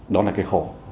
đó là cái khổ